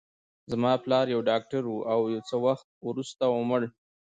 زما پلار یو ډاکټر و، او یو څه وخت وروسته ومړ.